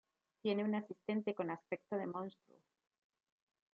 Tiene un asistente con aspecto de monstruo.